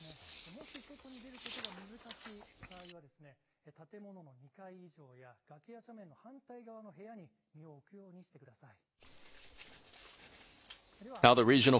もし外に出ることが難しい場合は、建物の２階以上や崖や斜面の反対側の部屋に身を置くようにしてください。